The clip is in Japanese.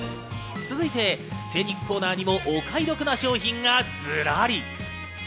続いて精肉コーナーにもお買い得な商品がズラリ。